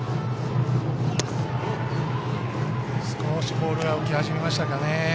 少しボールが浮き始めましたかね。